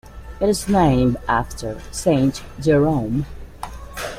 It is named after Saint Jerome.